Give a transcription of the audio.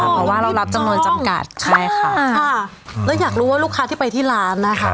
เพราะว่าเรารับจำนวนจำกัดใช่ค่ะค่ะแล้วอยากรู้ว่าลูกค้าที่ไปที่ร้านนะคะ